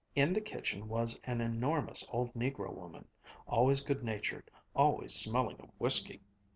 In the kitchen was an enormous old negro woman, always good natured, always smelling of whiskey.